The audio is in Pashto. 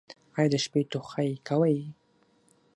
ایا د شپې ټوخی کوئ؟